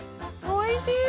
おいしい！